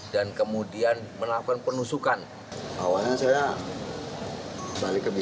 dan kemudian menangkap